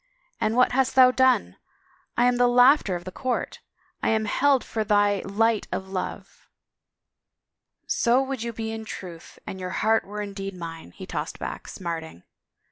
" And what hast thou done? ... I am the laughter of the court. I am held for thy light of love —"" So would you be in truth an your heart were indeed mine," he tossed back, smarting.